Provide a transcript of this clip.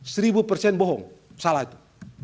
seribu persen bohong salah itu